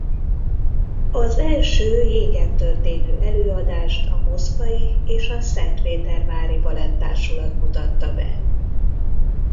Az első jégen történő előadást a moszkvai és a szentpétervári balett-társulat mutatta be.